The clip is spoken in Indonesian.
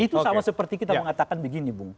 itu sama seperti kita mengatakan begini bung